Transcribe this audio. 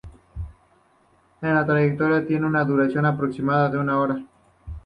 El trayecto tiene una duración aproximada de una hora.